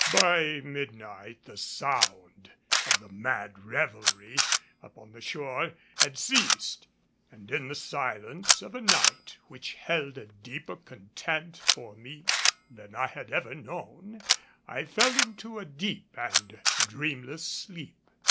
By midnight the sound of the mad revelry upon the shore had ceased, and in the silence of a night which held a deeper content for me than I had ever known, I fell into a deep and dreamless sleep.